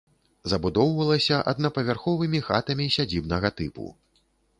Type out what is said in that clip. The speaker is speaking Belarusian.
Забудоўвалася аднапавярховымі хатамі сядзібнага тыпу.